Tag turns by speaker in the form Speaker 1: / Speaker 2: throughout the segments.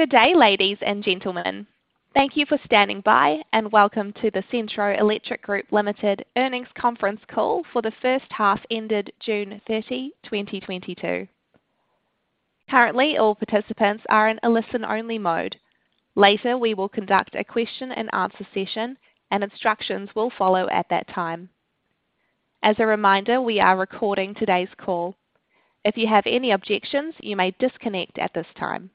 Speaker 1: Good day, ladies and gentlemen. Thank you for standing by, and welcome to the Cenntro Electric Group Limited earnings conference call for the first half ended June 30, 2022. Currently, all participants are in a listen-only mode. Later, we will conduct a question-and-answer session, and instructions will follow at that time. As a reminder, we are recording today's call. If you have any objections, you may disconnect at this time.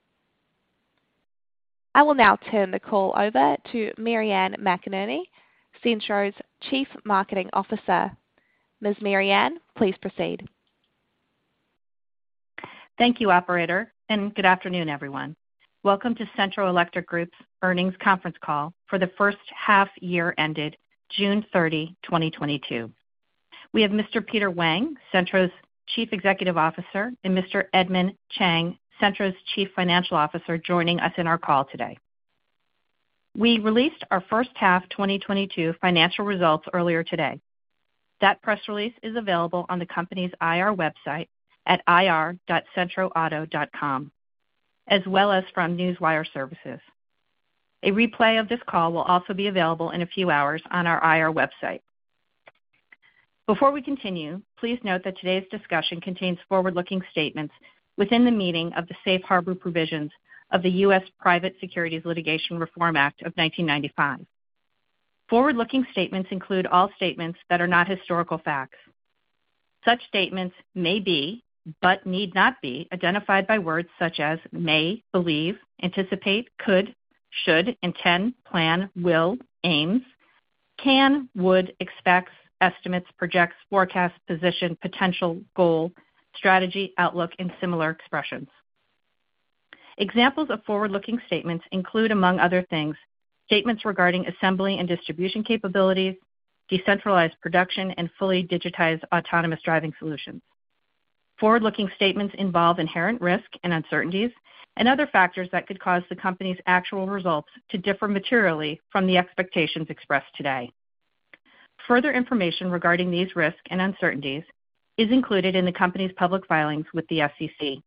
Speaker 1: I will now turn the call over to Marianne McInerney, Cenntro's Chief Marketing Officer. Ms. Marianne, please proceed.
Speaker 2: Thank you, operator, and good afternoon, everyone. Welcome to Cenntro Electric Group's earnings conference call for the first half year ended June 30, 2022. We have Mr. Peter Wang, Cenntro's Chief Executive Officer, and Mr. Edmond Cheng, Cenntro's Chief Financial Officer, joining us in our call today. We released our first half 2022 financial results earlier today. That press release is available on the company's IR website at ir.cenntroauto.com, as well as from Newswire Services. A replay of this call will also be available in a few hours on our IR website. Before we continue, please note that today's discussion contains forward-looking statements within the meaning of the Safe Harbor provisions of the US Private Securities Litigation Reform Act of 1995. Forward-looking statements include all statements that are not historical facts. Such statements may be, but need not be, identified by words such as may, believe, anticipate, could, should, intend, plan, will, aims, can, would, expects, estimates, projects, forecasts, position, potential, goal, strategy, outlook, and similar expressions. Examples of forward-looking statements include, among other things, statements regarding assembly and distribution capabilities, decentralized production, and fully digitized autonomous driving solutions. Forward-looking statements involve inherent risk and uncertainties and other factors that could cause the company's actual results to differ materially from the expectations expressed today. Further information regarding these risks and uncertainties is included in the company's public filings with the SEC.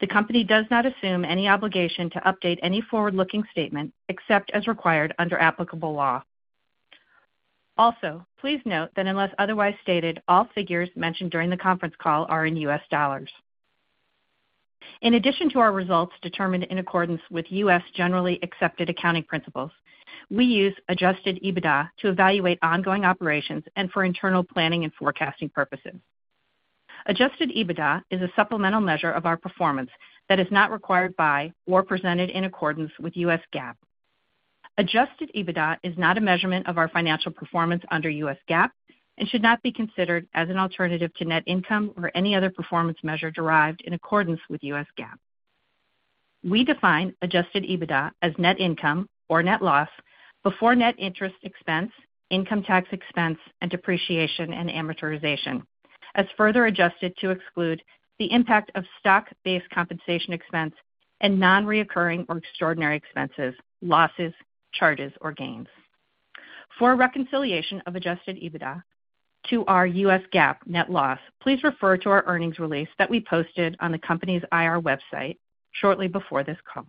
Speaker 2: The company does not assume any obligation to update any forward-looking statement except as required under applicable law. Also, please note that unless otherwise stated, all figures mentioned during the conference call are in U.S. dollars. In addition to our results determined in accordance with U.S. generally accepted accounting principles, we use adjusted EBITDA to evaluate ongoing operations and for internal planning and forecasting purposes. Adjusted EBITDA is a supplemental measure of our performance that is not required by or presented in accordance with U.S. GAAP. Adjusted EBITDA is not a measurement of our financial performance under U.S. GAAP and should not be considered as an alternative to net income or any other performance measure derived in accordance with U.S. GAAP. We define adjusted EBITDA as net income or net loss before net interest expense, income tax expense, and depreciation and amortization, as further adjusted to exclude the impact of stock-based compensation expense and non-recurring or extraordinary expenses, losses, charges, or gains. For a reconciliation of adjusted EBITDA to our US GAAP net loss, please refer to our earnings release that we posted on the company's IR website shortly before this call.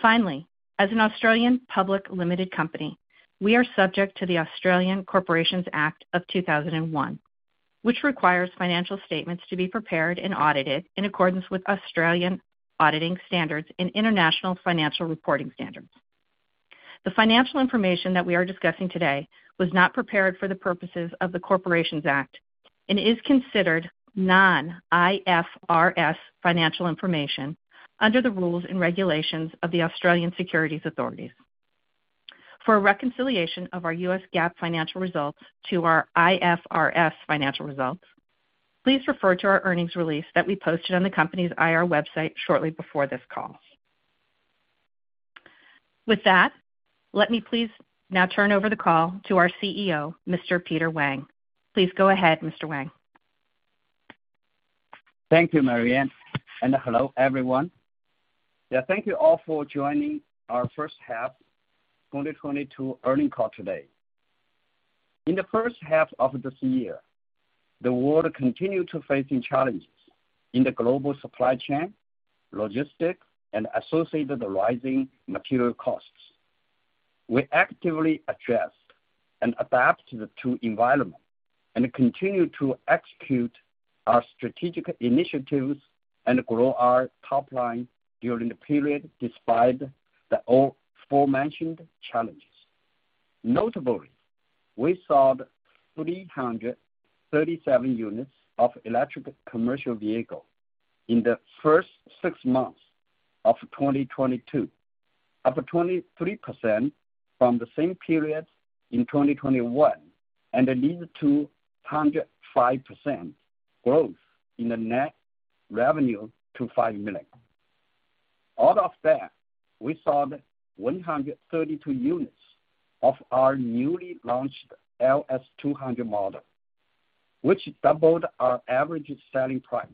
Speaker 2: Finally, as an Australian public limited company, we are subject to the Australian Corporations Act of 2001, which requires financial statements to be prepared and audited in accordance with Australian auditing standards and international financial reporting standards. The financial information that we are discussing today was not prepared for the purposes of the Corporations Act and is considered non-IFRS financial information under the rules and regulations of ASIC. For a reconciliation of our US GAAP financial results to our IFRS financial results, please refer to our earnings release that we posted on the company's IR website shortly before this call. With that, let me please now turn over the call to our CEO, Mr. Peter Wang. Please go ahead, Mr. Wang.
Speaker 3: Thank you, Marianne, and hello, everyone. Yeah, thank you all for joining our first half 2022 earnings call today. In the first half of this year, the world continued to facing challenges in the global supply chain, logistics, and associated rising material costs. We actively addressed and adapted to environment and continued to execute our strategic initiatives and grow our top line during the period despite the aforementioned challenges. Notably, we sold 337 units of electric commercial vehicle in the first six months of 2022, up 23% from the same period in 2021, and it leads to 105% growth in the net revenue to $5 million. Out of that, we sold 132 units of our newly launched LS200 model, which doubled our average selling price.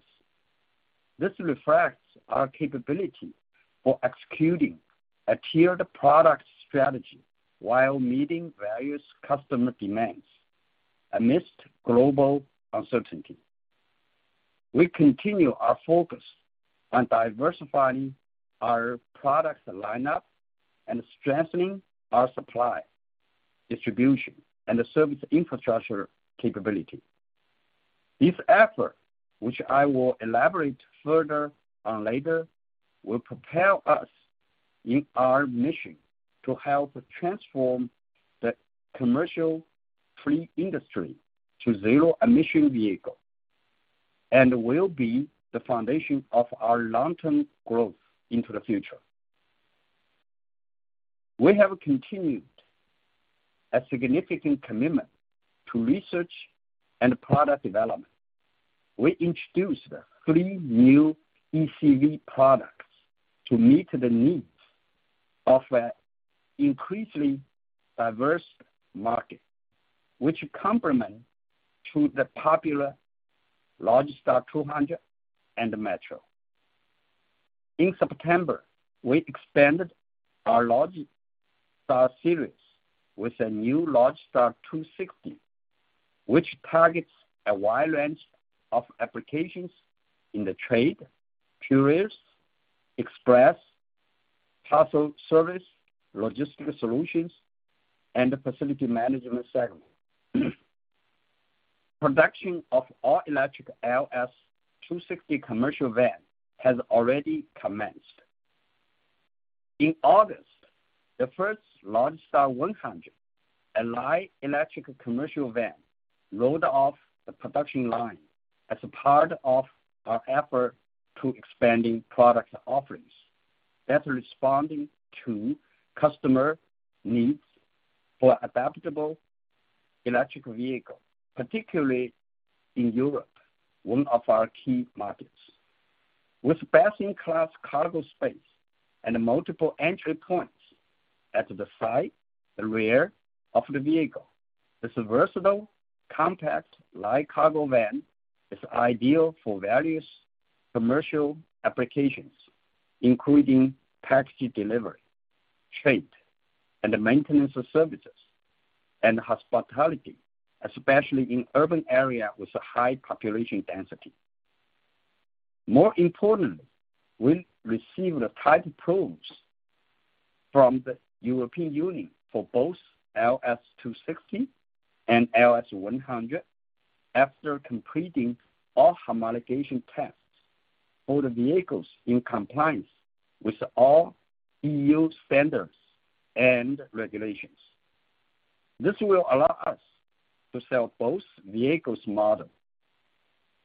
Speaker 3: This reflects our capability for executing a tiered product strategy while meeting various customer demands. Amidst global uncertainty, we continue our focus on diversifying our product lineup and strengthening our supply, distribution, and service infrastructure capability. This effort, which I will elaborate further on later, will propel us in our mission to help transform the commercial fleet industry to zero-emission vehicles, and will be the foundation of our long-term growth into the future. We have continued a significant commitment to research and product development. We introduced 3 new ECV products to meet the needs of an increasingly diverse market, which complement to the popular Logistar 200 and Metro. In September, we expanded our Logistar series with a new Logistar 260, which targets a wide range of applications in the trade, couriers, express, parcel service, logistical solutions, and facility management segment. Production of all-electric LS260 commercial van has already commenced. In August, the first Logistar 100, a light electric commercial van, rolled off the production line as a part of our effort to expanding product offerings, better responding to customer needs for adaptable electric vehicle, particularly in Europe, one of our key markets. With best-in-class cargo space and multiple entry points at the side and rear of the vehicle, this versatile compact light cargo van is ideal for various commercial applications, including package delivery, trade, and maintenance services, and hospitality, especially in urban areas with a high population density. More importantly, we received the type approvals from the European Union for both LS260 and LS100 after completing all homologation tests for the vehicles in compliance with all EU standards and regulations. This will allow us to sell both vehicle models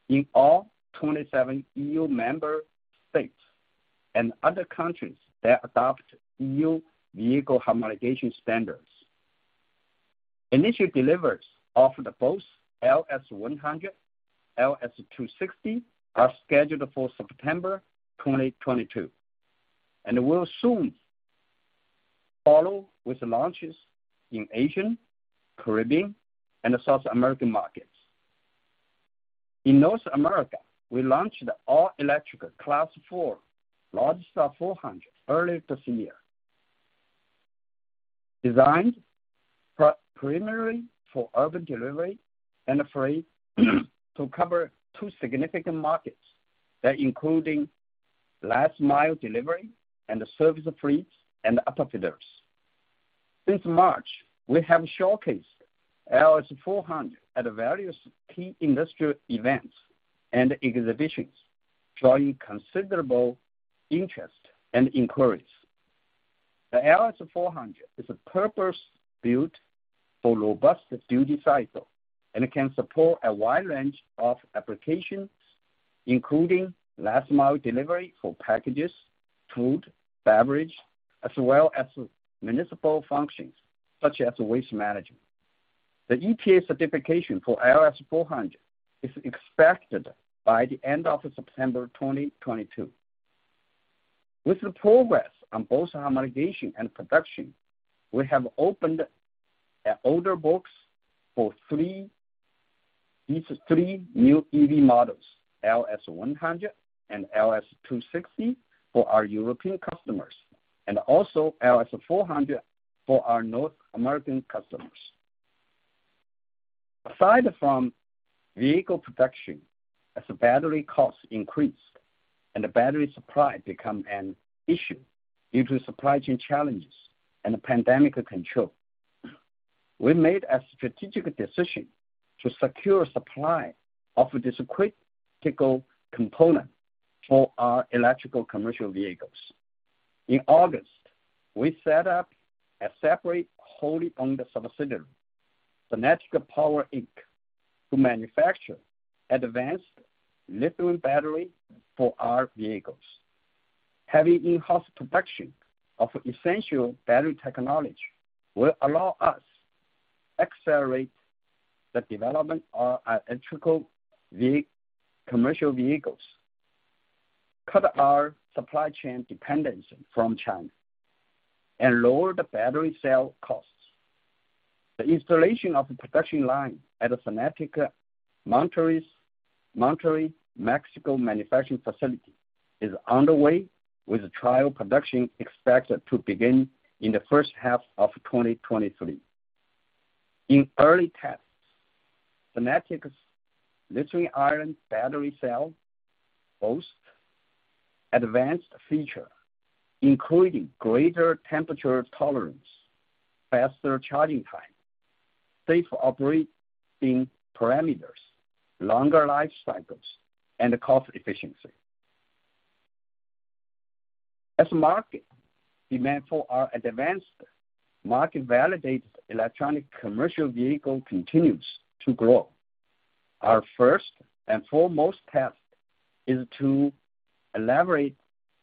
Speaker 3: in all 27 EU member states and other countries that adopt EU vehicle homologation standards. Initial deliveries of both the LS100, LS260, are scheduled for September 2022, and will soon follow with launches in Asian, Caribbean, and the South American markets. In North America, we launched the all-electric Class 4 Logistar 400 earlier this year. Designed primarily for urban delivery and freight to cover two significant markets that include last-mile delivery and service fleets and upfitters. Since March, we have showcased LS400 at various key industrial events and exhibitions, drawing considerable interest and inquiries. The LS400 is purpose-built for robust duty cycle and can support a wide range of applications, including last-mile delivery for packages, food, beverage, as well as municipal functions such as waste management. The EPA certification for LS 400 is expected by the end of September 2022. With the progress on both homologation and production, we have opened order books for these three new EV models, LS 100 and LS 260 for our European customers, and also LS 400 for our North American customers. Aside from vehicle production, as battery costs increased and battery supply become an issue due to supply chain challenges and pandemic control, we made a strategic decision to secure supply of this critical component for our electrical commercial vehicles. In August, we set up a separate wholly owned subsidiary, Cennatic Power Inc., to manufacture advanced lithium battery for our vehicles. Having in-house production of essential battery technology will allow us accelerate the development of our electrical commercial vehicles, cut our supply chain dependency from China, and lower the battery cell costs. The installation of the production line at Cennatic, Monterrey, Mexico manufacturing facility is underway with trial production expected to begin in the first half of 2023. In early tests, Cennatic's lithium-ion battery cell boasts advanced features, including greater temperature tolerance, faster charging time, safer operating parameters, longer life cycles, and cost efficiency. As market demand for our advanced electric commercial vehicles continues to grow. Our first and foremost task is to alleviate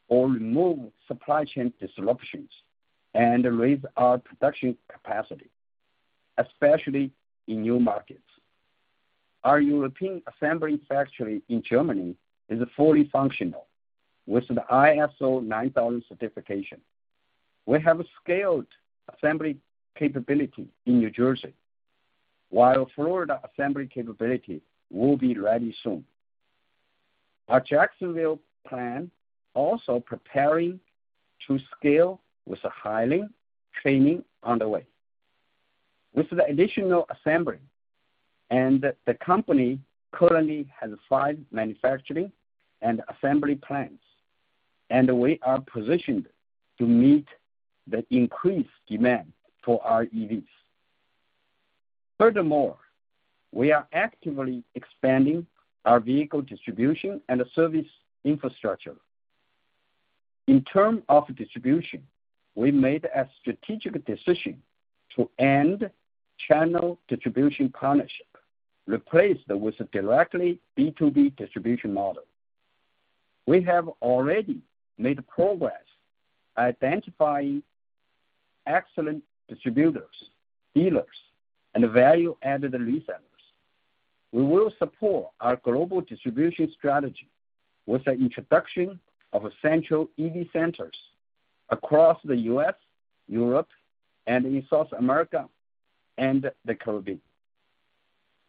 Speaker 3: or remove supply chain disruptions and raise our production capacity, especially in new markets. Our European assembly factory in Germany is fully functional with an ISO 9001 certification. We have a scaled assembly capability in New Jersey, while Florida assembly capability will be ready soon. Our Jacksonville plant is also preparing to scale with hiring, training underway. With the additional assembly, and the company currently has five manufacturing and assembly plants, and we are positioned to meet the increased demand for our EVs. Furthermore, we are actively expanding our vehicle distribution and service infrastructure. In terms of distribution, we made a strategic decision to end channel distribution partnership, replaced with a directly B2B distribution model. We have already made progress identifying excellent distributors, dealers, and value-added resellers. We will support our global distribution strategy with the introduction of essential EV centers across the U.S., Europe, and in South America, and the Caribbean.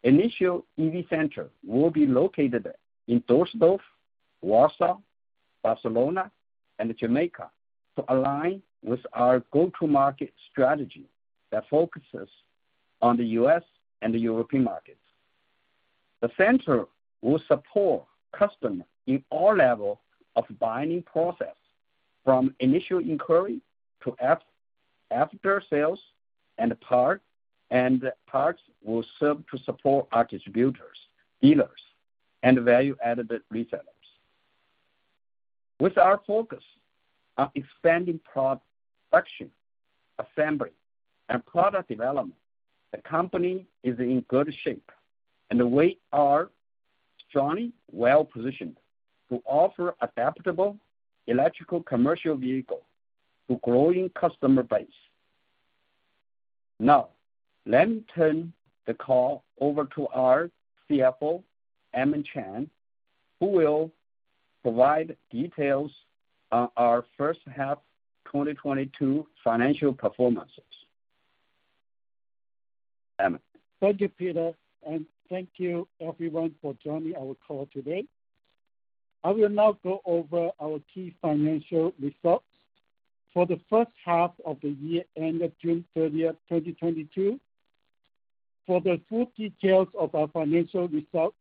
Speaker 3: Initial EV center will be located in Düsseldorf, Warsaw, Barcelona and Jamaica to align with our go-to-market strategy that focuses on the U.S. and the European markets. The center will support customer in all level of buying process, from initial inquiry to after sales, and parts will serve to support our distributors, dealers, and value-added retailers. With our focus on expanding production, assembly, and product development, the company is in good shape, and we are strongly well-positioned to offer adaptable electric commercial vehicle to growing customer base. Now, let me turn the call over to our CFO, Edmond Cheng, who will provide details on our first half 2022 financial performances. Edmond.
Speaker 4: Thank you, Peter, and thank you everyone for joining our call today. I will now go over our key financial results. For the first half of the year ended June 30, 2022, for the full details of our financial results,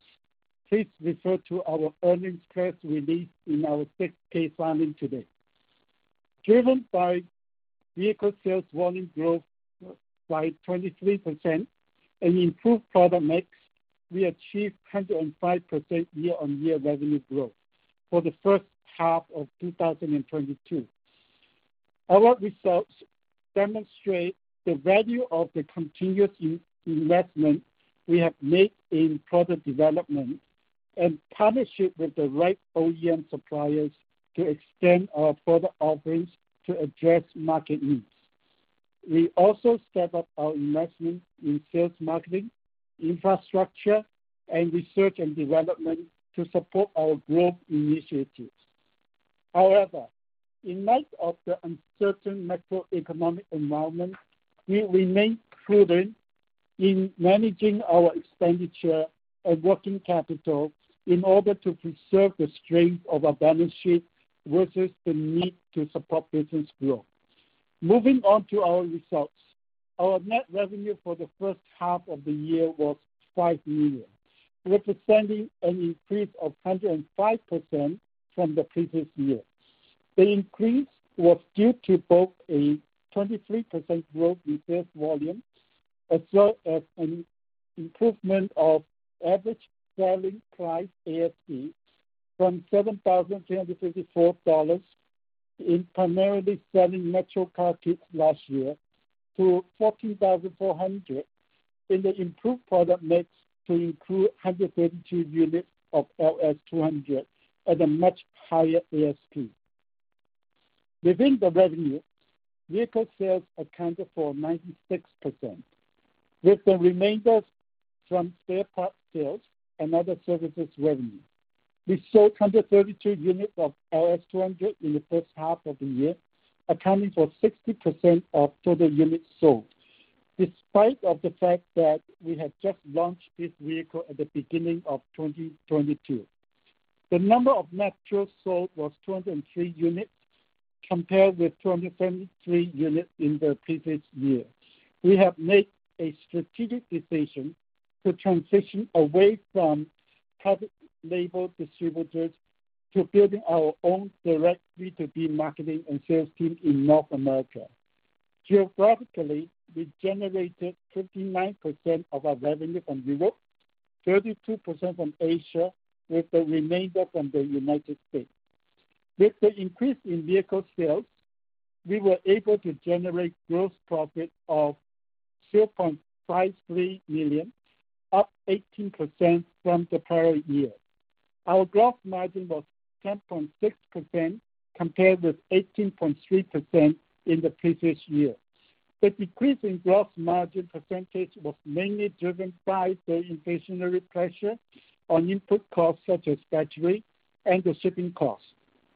Speaker 4: please refer to our earnings press release in our 6-K filing today. Driven by vehicle sales volume growth by 23% and improved product mix, we achieved 105% year-on-year revenue growth for the first half of 2022. Our results demonstrate the value of the continuous investment we have made in product development, and partnership with the right OEM suppliers to extend our product offerings to address market needs. We also step up our investment in sales, marketing, infrastructure, and research and development to support our growth initiatives. However, in light of the uncertain macroeconomic environment, we remain prudent in managing our expenditure and working capital in order to preserve the strength of our balance sheet versus the need to support business growth. Moving on to our results. Our net revenue for the first half of the year was $5 million, representing an increase of 105% from the previous year. The increase was due to both a 23% growth in sales volume, as well as an improvement of average selling price, ASP, from $7,354 in primarily selling Metro car kits last year to $14,400 in the improved product mix to include 132 units of LS200 at a much higher ASP. Within the revenues, vehicle sales accounted for 96%, with the remainder from spare parts sales and other services revenue. We sold 132 units of LS200 in the first half of the year, accounting for 60% of total units sold, despite the fact that we have just launched this vehicle at the beginning of 2022. The number of total sold was 203 units compared with 203 units in the previous year. We have made a strategic decision to transition away from private label distributors to building our own direct B2B marketing and sales team in North America. Geographically, we generated 59% of our revenue from Europe, 32% from Asia, with the remainder from the United States. With the increase in vehicle sales, we were able to generate gross profit of $2.53 million, up 18% from the prior year. Our gross margin was 10.6% compared with 18.3% in the previous year. The decrease in gross margin percentage was mainly driven by the inflationary pressure on input costs such as battery and the shipping costs.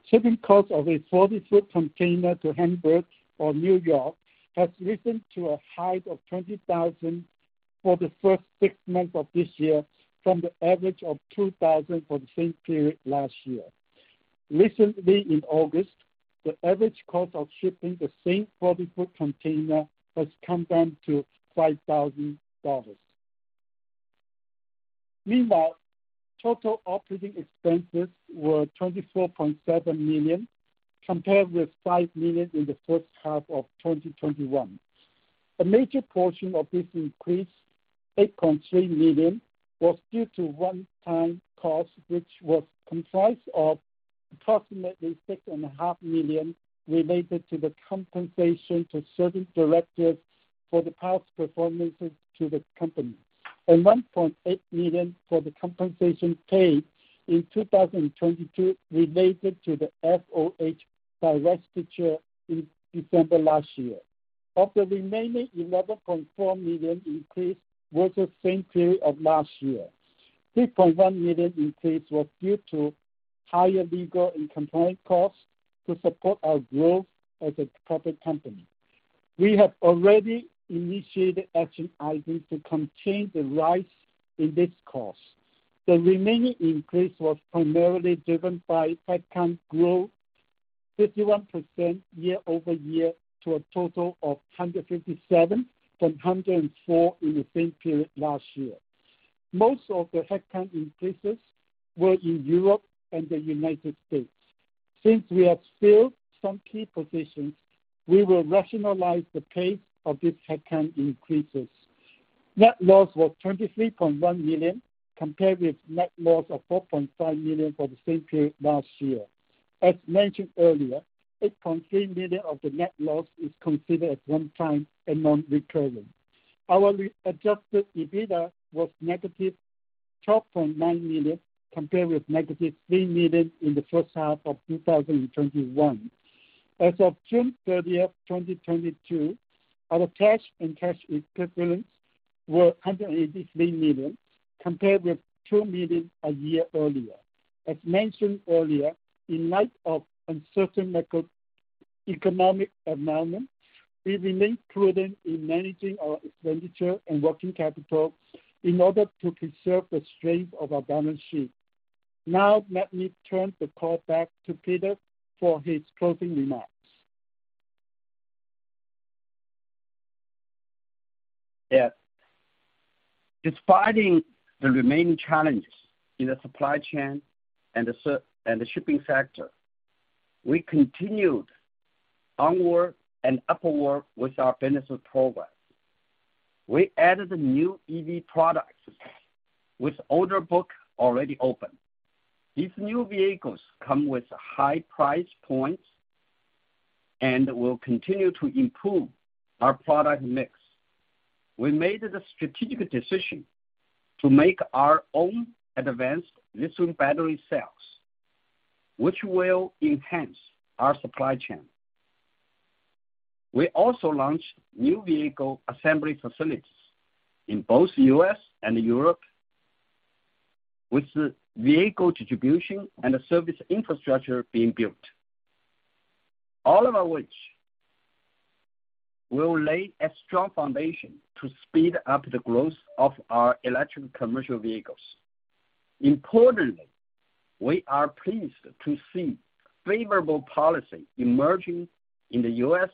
Speaker 4: Shipping cost of a 40-foot container to Hamburg or New York has risen to a high of $20,000 for the first six months of this year, from the average of $2,000 for the same period last year. Recently, in August, the average cost of shipping the same 40-foot container has come down to $5,000. Meanwhile, total operating expenses were $24.7 million, compared with $5 million in the first half of 2021. A major portion of this increase, $8.3 million, was due to one-time cost, which was comprised of approximately $6.5 million related to the compensation to certain directors for the past performances to the company, and $1.8 million for the compensation paid in 2022 related to the FOH divestiture in December last year. Of the remaining $11.4 million increase versus same period of last year, $3.1 million increase was due to higher legal and compliance costs to support our growth as a public company. We have already initiated action items to contain the rise in this cost. The remaining increase was primarily driven by headcount growth, 51% year-over-year, to a total of 157 from 104 in the same period last year. Most of the headcount increases were in Europe and the United States. Since we have filled some key positions, we will rationalize the pace of these headcount increases. Net loss was $23.1 million, compared with net loss of $4.5 million for the same period last year. As mentioned earlier, $8.3 million of the net loss is considered one time and non-recurring. Our adjusted EBITDA was -$12.9 million, compared with -$3 million in the first half of 2021. As of June 30, 2022, our cash and cash equivalents were $183 million, compared with $2 million a year earlier. As mentioned earlier, in light of uncertain macroeconomic environment, we remain prudent in managing our expenditure and working capital in order to preserve the strength of our balance sheet. Now let me turn the call back to Peter for his closing remarks.
Speaker 3: Yeah. Despite the remaining challenges in the supply chain and the shipping sector, we continued onward and upward with our business program. We added new EV products with order book already open. These new vehicles come with high price points and will continue to improve our product mix. We made the strategic decision to make our own advanced lithium battery cells, which will enhance our supply chain. We also launched new vehicle assembly facilities in both U.S. and Europe, with the vehicle distribution and the service infrastructure being built. All of which will lay a strong foundation to speed up the growth of our electric commercial vehicles. Importantly, we are pleased to see favorable policy emerging in the U.S.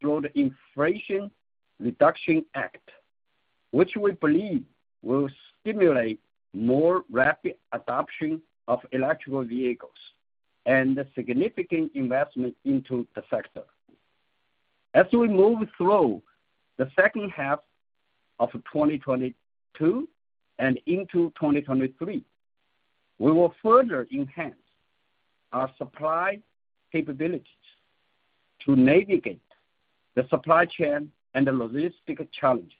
Speaker 3: through the Inflation Reduction Act, which we believe will stimulate more rapid adoption of electric vehicles and a significant investment into the sector. As we move through the second half of 2022 and into 2023, we will further enhance our supply capabilities to navigate the supply chain and the logistic challenges.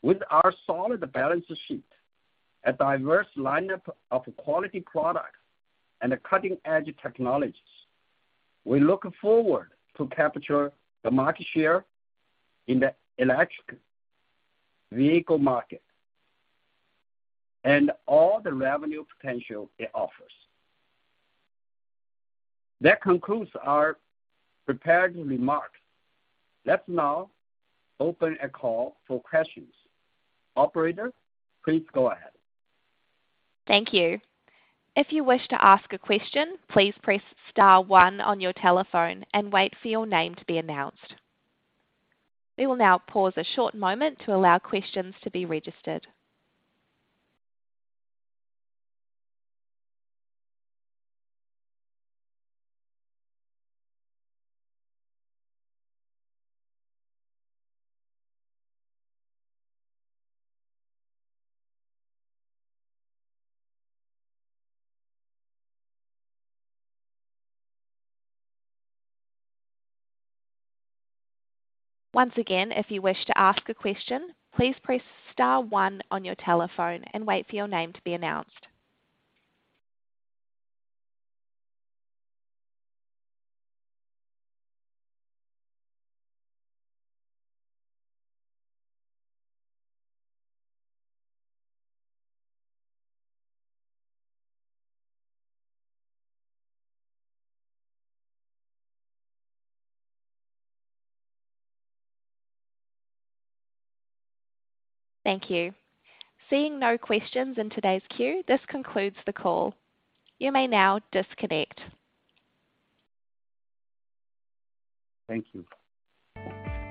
Speaker 3: With our solid balance sheet, a diverse lineup of quality products and cutting-edge technologies, we look forward to capture the market share in the electric vehicle market and all the revenue potential it offers. That concludes our prepared remarks. Let's now open a call for questions. Operator, please go ahead.
Speaker 1: Thank you. If you wish to ask a question, please press star one on your telephone and wait for your name to be announced. We will now pause a short moment to allow questions to be registered. Once again, if you wish to ask a question, please press star one on your telephone and wait for your name to be announced. Thank you. Seeing no questions in today's queue, this concludes the call. You may now disconnect.
Speaker 3: Thank you.